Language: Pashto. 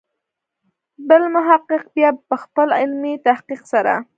بل محقق بیا په خپل علمي تحقیق سره.